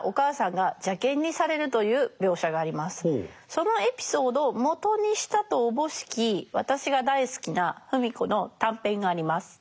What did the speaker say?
そのエピソードをもとにしたとおぼしき私が大好きな芙美子の短編があります。